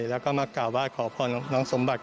แล้วก็มากล่าวว่าขอพรหลงสมบัติ